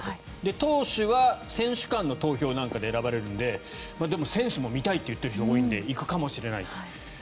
投手は選手間の投票なんかで選ばれるのででも、選手も見たいって言っている人が多いので行くかもしれない。